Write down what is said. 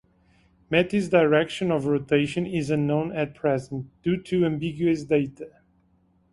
Metis' direction of rotation is unknown at present, due to ambiguous data.